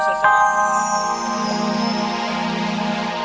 kak ini bagus kak